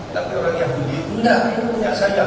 tapi orang yahudi enggak ini punya saya